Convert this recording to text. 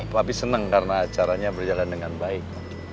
tapi senang karena acaranya berjalan dengan baik